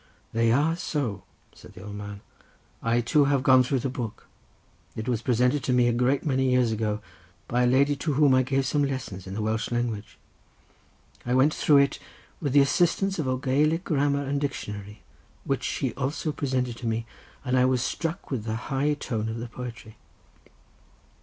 "They are so," said the old clerk. "I too have gone through the book; it was presented to me a great many years ago by a lady to whom I gave some lessons in the Welsh language. I went through it with the assistance of a Gaelic grammar and dictionary which she also presented to me, and I was struck with the high tone of the poetry."